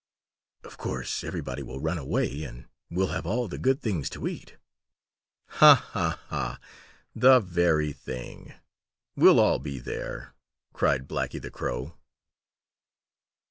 Of course every one will run away, and we'll have all the good things to eat." "Haw! haw! haw! The very thing! We'll all be there," cried Blacky the Crow.